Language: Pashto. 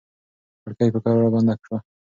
کړکۍ په کراره بنده شوه.